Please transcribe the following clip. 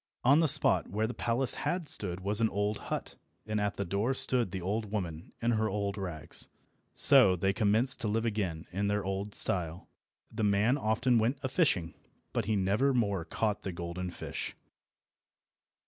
On the spot where the palace had stood was the old hut, and at the door stood the old woman in her old rags. So they commenced to live again in their old style. The man often went a fishing, but he never more caught the golden fish.